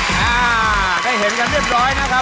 อ่าได้เห็นกันเรียบร้อยนะครับ